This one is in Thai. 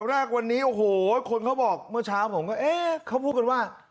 อันหน้าก็วันนี้โอ้โหอ้คนเค้าบอกเมื่อเช้าของแอ่วเค้าพูดกันว่า